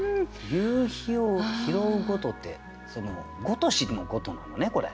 「夕陽を拾ふごと」って「ごとし」の「ごと」なのねこれ。